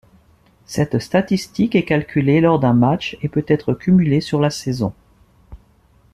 Cette statistique est calculée lors d'un match et peut être cumulée sur la saison.